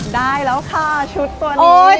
ได้แล้วค่ะชุดตัวนี้